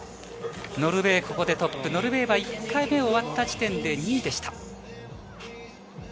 ノルウェー、ここでトップ、ノルウェーは１回目終わった時点で２位でした。